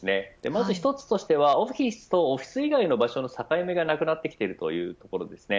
まず一つとしてはオフィスとオフィス以外の境目がなくなってきているというところです。